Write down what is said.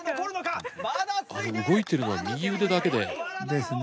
動いてるのは右腕だけで。ですね。